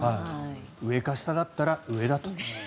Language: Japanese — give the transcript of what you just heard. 上か下だったら上だと。